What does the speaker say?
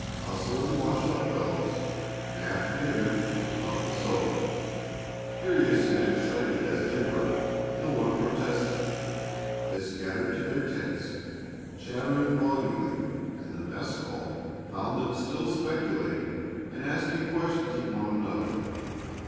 Hustle and wash up, fellows, and after dinner we'll talk this over." Curious and excited as they were, no one protested. They scattered to their tents, chattering volubly, and the mess call found them still speculating and asking questions of one another.